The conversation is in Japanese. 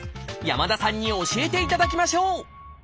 山田さんに教えていただきましょう！